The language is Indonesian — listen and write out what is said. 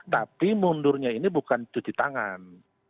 tapi mundurnya ini bukan cuci tangan